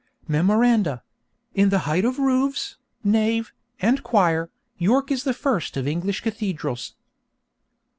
Memoranda: _In the height of roofs, nave, and choir, York is first of English cathedrals.